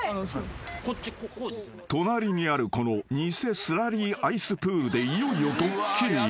［隣にあるこの偽スラリーアイスプールでいよいよドッキリへ］